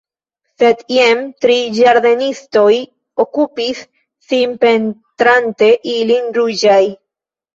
Sed jen tri ĝardenistoj okupis sin pentrante ilin ruĝaj.